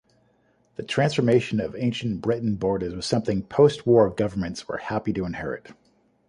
The transformation of ancient Breton borders was something post-war governments were happy to inherit.